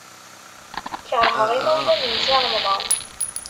Keṛheɣ imawlan n Si Remḍan.